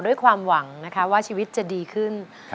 ด้วยความหวังนะคะว่าชีวิตจะดีขึ้น